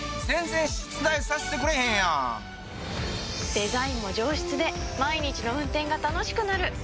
デザインも上質で毎日の運転が楽しくなる！